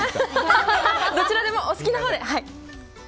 どちらでもお好きなほうで。